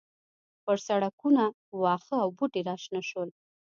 پر سړکونو واښه او بوټي راشنه شول.